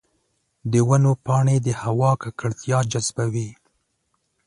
د ونو پاڼې د هوا ککړتیا جذبوي.